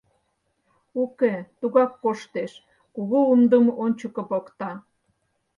Уке, тугак коштеш, кугу умдым ончыко покта.